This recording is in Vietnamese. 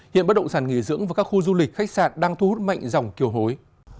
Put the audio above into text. hiện bất động sản nghỉ dưỡng và các khu du lịch khách sạn đang thu hút mạnh dòng kiều hối